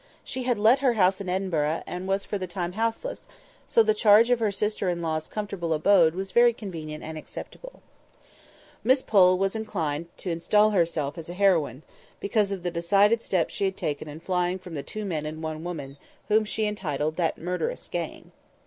She had let her house in Edinburgh, and was for the time house less, so the charge of her sister in law's comfortable abode was very convenient and acceptable. Miss Pole was very much inclined to instal herself as a heroine, because of the decided steps she had taken in flying from the two men and one woman, whom she entitled "that murderous gang."